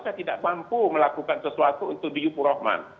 saya tidak mampu melakukan sesuatu untuk dhu yufur rahman